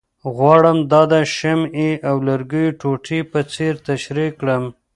غواړم دا د شمعې او لرګیو ټوټې په څېر تشریح کړم،